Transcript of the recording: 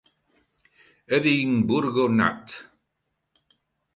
Edinburgo; Not.